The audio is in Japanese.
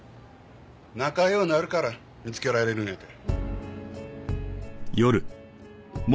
仲良うなるから見つけられるんやて。